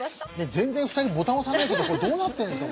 全然２人ボタン押さないけどこれどうなってるんですか？